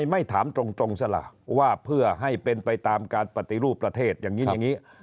ไม่ถามตรงซะล่ะว่าเพื่อให้เป็นไปตามการปฏิรูปประเทศอย่างนั้นอย่างนี้